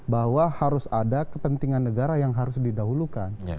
bahwa harus ada kepentingan negara yang harus didahulukan